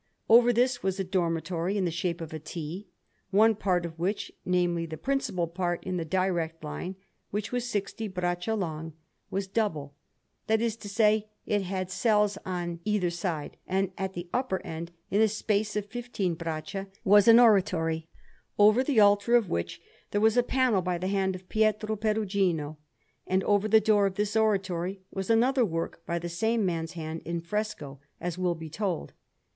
Over this was a dormitory in the shape of a =T=, one part of which namely, the principal part in the direct line, which was sixty braccia long was double that is to say, it had cells on either side, and at the upper end, in a space of fifteen braccia, was an oratory, over the altar of which there was a panel by the hand of Pietro Perugino; and over the door of this oratory was another work by the same man's hand, in fresco, as will be told.